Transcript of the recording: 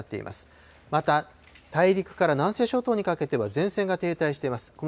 また、大陸から南西諸島にかけては前線が停滞しています。